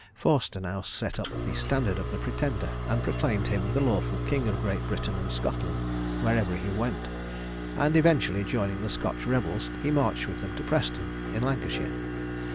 Forster now set up the standard of the Pretender, and proclaimed him the lawful king of Great Britain and Scotland, wherever he went; and, eventually joining the Scotch rebels, he marched with them to Preston, in Lancashire.